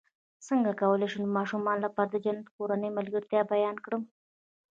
څنګه کولی شم د ماشومانو لپاره د جنت د کورنۍ ملګرتیا بیان کړم